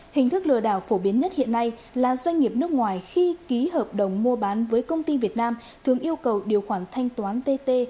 hình thức lừa đảo phổ biến nhất hiện nay là doanh nghiệp nước ngoài khi ký hợp đồng mua bán với công ty việt nam thường yêu cầu điều khoản thanh toán tt